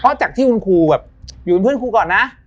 เพราะจากที่คุณครูแบบอยู่เป็นเพื่อนครูก่อนนะ